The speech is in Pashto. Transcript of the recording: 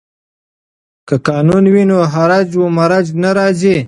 که قانون وي نو هرج و مرج نه راځي.